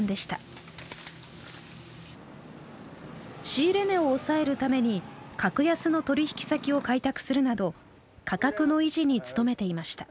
仕入れ値を抑えるために格安の取引先を開拓するなど価格の維持に努めていました。